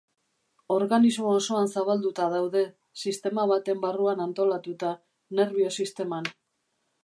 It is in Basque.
Organismo osoan zabalduta daude, sistema baten barruan antolatuta: nerbio sisteman.